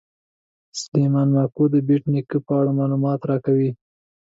سلیمان ماکو د بېټ نیکه په اړه معلومات راکوي.